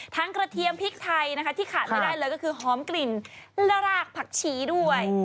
กระเทียมพริกไทยนะคะที่ขาดไม่ได้เลยก็คือหอมกลิ่นและรากผักชีด้วย